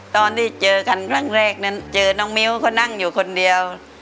ตอนที่เจอกันครั้งแรกนั้นเจอน้องมิ้วเขานั่งอยู่คนเดียว